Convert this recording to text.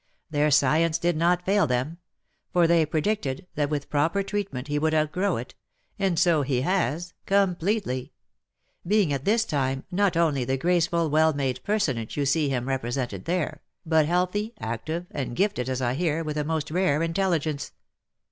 Their science did not fail them ; for they predicted that with proper treat ment he would outgrow it — and so he has, completely ; being at this time not only the graceful well made personage you see him repre sented there, but healthy, active, and gifted, as I hear, with a most rare intelligence.